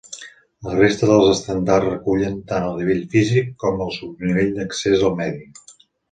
La resta dels estàndards recullen tant el nivell físic, com el subnivell d'accés al medi.